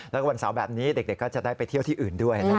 แล้วก็วันเสาร์แบบนี้เด็กก็จะได้ไปเที่ยวที่อื่นด้วยนะครับ